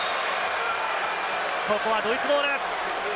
ここはドイツボール。